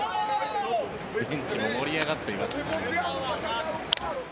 ベンチも盛り上がっています。